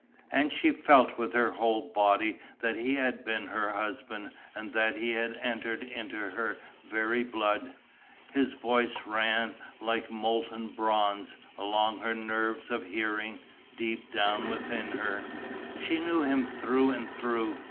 And she felt with her whole body that he had been her husband and that he had entered into her very blood. His voice ran like molten bronze, along her nerves of hearing, deep down within her. She knew him through and through.